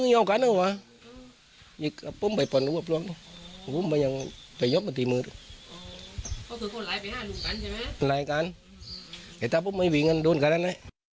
หลายกันแต่ถ้าพวกมันไม่วิ่งกันโดนกันนะ